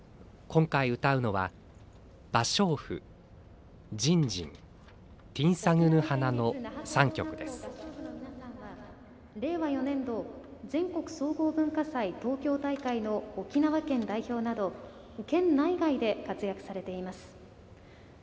沖縄県立那覇高等学校合唱部の皆さんは令和４年度全国総合文化祭東京大会の沖縄県代表など県内外で活躍されています。